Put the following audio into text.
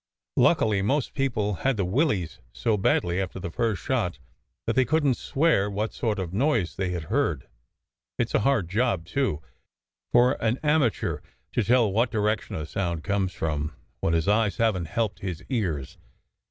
Luckily most people had the willies so badly after the first shot that they couldn t swear what sort of noise they had heard. It s a hard job, too, for an amateur to tell what direction a sound comes from, when his eyes haven t helped his ears.